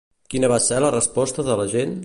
Quina va ser la resposta de la gent?